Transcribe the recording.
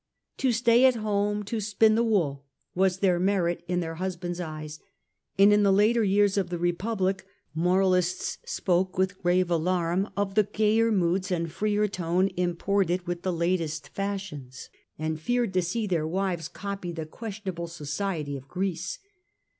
' To stay at home to spin the wool ' was their merit in their husbands' eyes ; and in the later years of the Republic moralists spoke with grave alarm of the gayer moods and freer tone imported with the latest fashions, and feared to see their wives copy the questionable society of Greece.